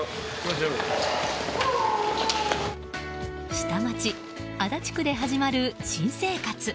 下町・足立区で始まる新生活。